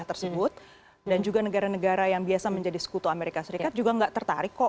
ikut perang dunia ketiga dan juga negara negara yang biasa menjadi sekutu amerika serikat juga nggak tertarik kok untuk ikut apa ya